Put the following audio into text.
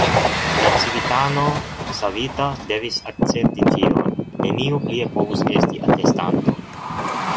La civitano savita devis akcepti tion; neniu plie povus esti atestanto.